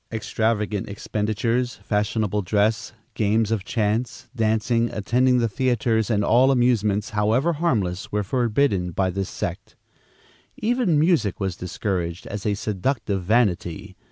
Extravagant expenditures, fashionable dress, games of chance, dancing, attending the theatres and all amusements, however harmless, were forbidden by this sect. Even music was discouraged as a seductive vanity.